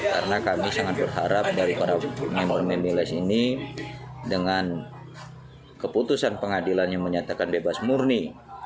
karena kami sangat berharap dari para memilis ini dengan keputusan pengadilan yang menyatakan bebas murni